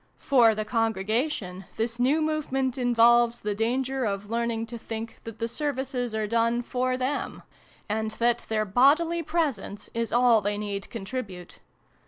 For the Congregation this new movement involves the danger of learning to think that the Services are done for them ; and that their bodily presence is all they need contribute.